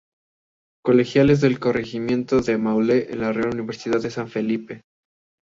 Colegiales del Corregimiento del Maule en la Real Universidad de San Felipe.